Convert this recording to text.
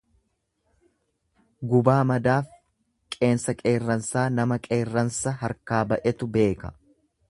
Gubaa madaaf qeensa qeerransaa nama qeerransa harkaa ba'etu beeka.